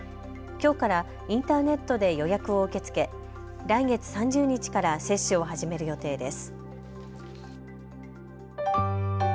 きょうからインターネットで予約を受け付け、来月３０日から接種を始める予定です。